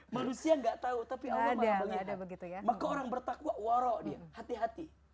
maka orang bertakwa waro' dia hati hati